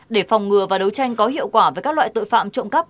để phòng ngừa và đấu tranh có hiệu quả với các loại tội phạm trộm cắp